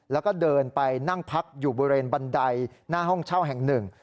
แล้วก็เดินไปนั่งพักอยู่บริเวณบันไดหน้าห้องเช่าแห่งหนึ่ง